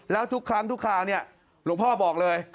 แล้วทุกครั้งทุกคราวเนี่ยหลวงพ่อบอกเลย